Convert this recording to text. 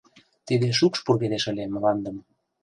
Тиде шукш пургедеш ыле мландым